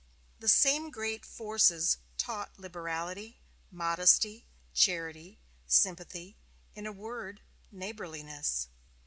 The same great forces taught liberality, modesty, charity, sympathy in a word, neighborliness.